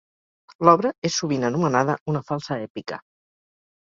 L'obra és sovint anomenada una falsa èpica.